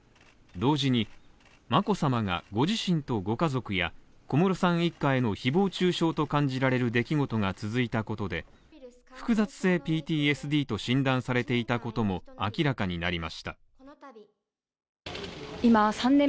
同時に、眞子さまがご自身とご家族や、小室さん一家への誹謗中傷と感じられる出来事が続いたことで複雑性ＰＴＳＤと診断されていたことも明らかになりました。